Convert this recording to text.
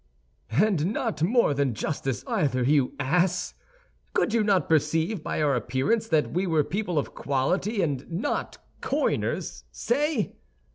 "And not more than justice, either, you ass! Could you not perceive by our appearance that we were people of quality, and not coiners—say?"